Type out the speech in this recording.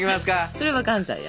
それは関西や。